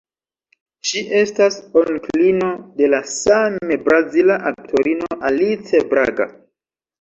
Ŝi estas onklino de la same brazila aktorino Alice Braga.